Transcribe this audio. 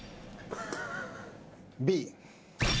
Ｂ。